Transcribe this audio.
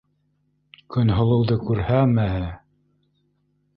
Көнһылыуҙы күрһәме!